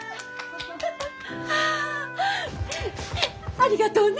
ありがとうね！